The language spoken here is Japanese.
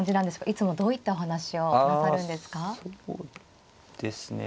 いつもどういったお話をなさるんですか。